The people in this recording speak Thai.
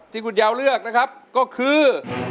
ที่คุณยาวเลือกนะครับก็คือ